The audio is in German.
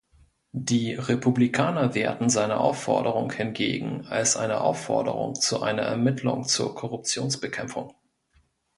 Die Republikaner werten seine Aufforderung hingegen als eine Aufforderung zu einer Ermittlung zur Korruptionsbekämpfung.